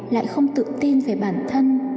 lại không tự tin về bản thân